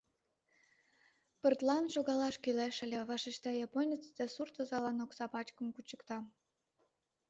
— Пыртлан шогалаш кӱлеш ыле, — вашешта японец да сурт озалан окса пачкым кучыкта.